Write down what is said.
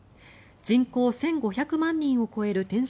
人口１５００万人を超える天津